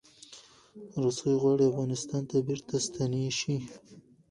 روسې غواړي افغانستان ته بیرته ستنې شي.